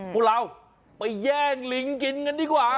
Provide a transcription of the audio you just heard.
พวกเราไปแย่งลิงกินกันดีกว่า